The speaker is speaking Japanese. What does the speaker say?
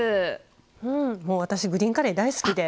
私グリーンカレー大好きで。